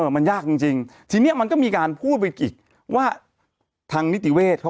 มันยากจริงทีนี้มันก็มีการพูดไปอีกว่าทางนิติเวศเขา